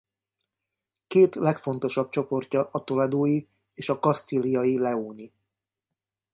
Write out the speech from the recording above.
Két legfontosabb csoportja a toledói és a kasztíliai-leóni.